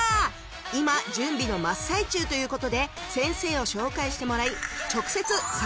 今準備の真っ最中ということで先生を紹介してもらい直接撮影交渉を